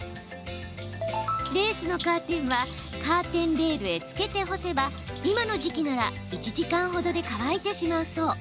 レースのカーテンはカーテンレールへつけて干せば今の時期なら１時間ほどで乾いてしまうそう。